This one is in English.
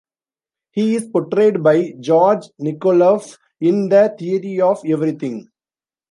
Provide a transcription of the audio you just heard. He is portrayed by Georg Nikoloff in "The Theory of Everything".